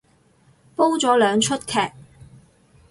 煲咗兩齣劇